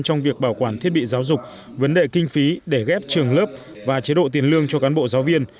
trong việc bảo quản thiết bị giáo dục vấn đề kinh phí để ghép trường lớp và chế độ tiền lương cho cán bộ giáo viên